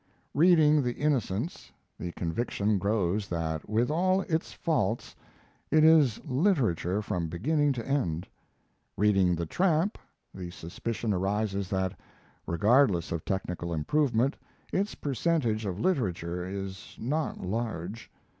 Reading the 'Innocents', the conviction grows that, with all its faults, it is literature from beginning to end. Reading the 'Tramp', the suspicion arises that, regardless of technical improvement, its percentage of literature is not large.